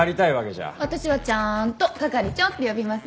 私はちゃんと係長って呼びますよ。